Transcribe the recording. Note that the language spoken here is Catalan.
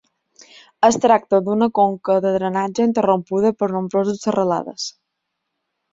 Es tracta d'una conca de drenatge interrompuda per nombroses serralades.